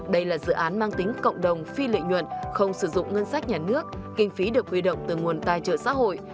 đây là dự án mang tính cộng đồng phi lợi nhuận không sử dụng ngân sách nhà nước kinh phí được quy động từ nguồn tài trợ xã hội